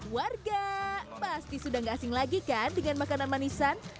warga pasti sudah gak asing lagi kan dengan makanan manisan